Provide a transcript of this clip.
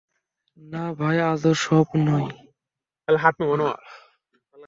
না ভাই, আজ ও-সব নয়!